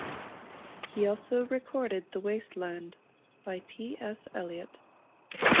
He also recorded "The Waste Land" by T. S. Eliot.